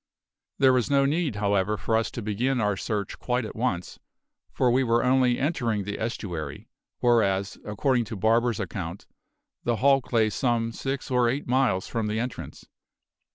There was no need, however, for us to begin our search quite at once, for we were only entering the estuary, whereas, according to Barber's account, the hulk lay some six or eight miles from the entrance.